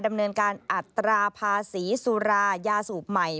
ดำเนินการอัตราภาษีสุรายาสูบใหม่